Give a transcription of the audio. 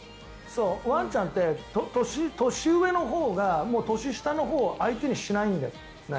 ワンちゃんって年上のほうが年下のほうを相手にしないんだよ。